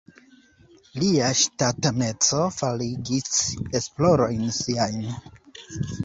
Lia ŝtataneco faciligis esplorojn siajn.